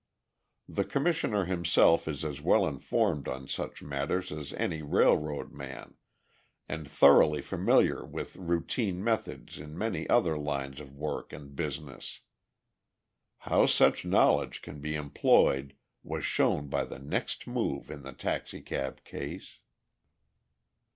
The Commissioner himself is as well informed on such matters as any railroad man, and thoroughly familiar with routine methods in many other lines of work and business. How such knowledge can be employed was shown by the next move in the taxicab case.